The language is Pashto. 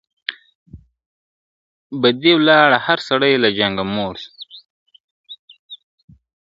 بدي ولاړه هر سړى له جنگه موړ سو !.